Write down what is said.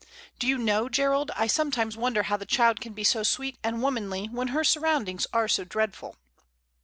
Do you know, Gerald, I sometimes wonder how the child can be so sweet and womanly when her surroundings are so dreadful."